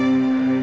ya udah om baik